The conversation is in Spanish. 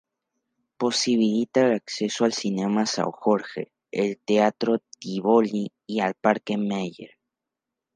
Posibilita el acceso al Cinema São Jorge, al Teatro Tívoli y al Parque Mayer.